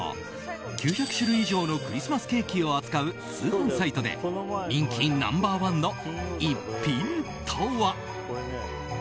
９００種類以上のクリスマスケーキを扱う通販サイトで人気ナンバー１の逸品とは？